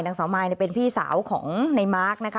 นางสาวมายเป็นพี่สาวของในมาร์คนะคะ